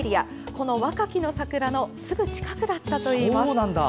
このワカキノサクラのすぐ近くだったといいます。